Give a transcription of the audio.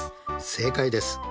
正解です。